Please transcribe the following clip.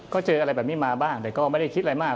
ก็เจออะไรแบบนี้มาบ้างแต่ก็ไม่ได้คิดอะไรมาก